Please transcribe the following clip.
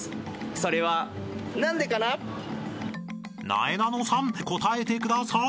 ［なえなのさん答えてください］